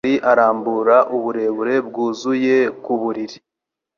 Andrea yazimye urumuri arambura uburebure bwuzuye ku buriri